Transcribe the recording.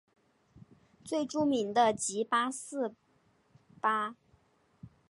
最著名的即八思巴。